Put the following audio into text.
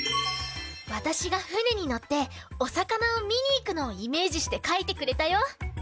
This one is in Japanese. わたしがふねにのっておさかなをみにいくのをイメージしてかいてくれたよ。